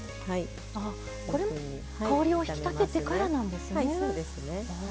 これも香りを引き立ててからなんですね。